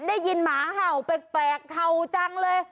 ได้ยินหมาเห่าแปลกเห่าจังเลย